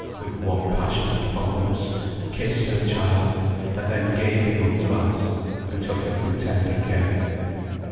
with what passionate fondness, kissed her child, and then gave him up to Alice, who took him with tender care.